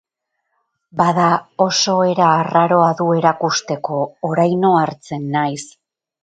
Bada, oso era arraroa du erakusteko, orain ohartzen naiz.